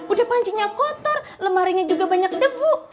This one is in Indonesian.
udah pancinya kotor lemarinya juga banyak debu